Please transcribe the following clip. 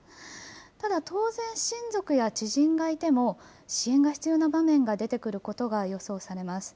ただ、当然、親族や知人がいても、支援が必要な場面が出てくることが予想されます。